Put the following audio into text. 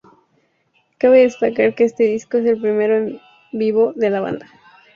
Cabe destacar que este disco es el primero en vivo de la banda.